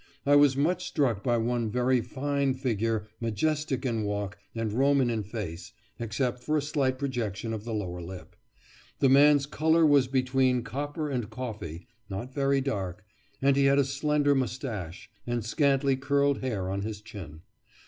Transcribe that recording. I was much struck by one very fine figure, majestic in walk, and Roman in face, except for a slight projection of the lower lip. The man's colour was between copper and coffee, not very dark, and he had a slender moustache, and scanty curled hair on his chin.